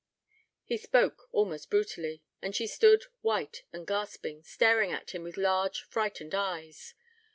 He spoke almost brutally; and she stood, white and gasping, staring at him with large, frightened eyes.